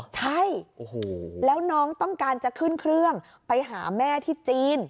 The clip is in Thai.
ใช่แล้วน้องต้องการจะขึ้นเครื่องไปหาแม่ที่จีน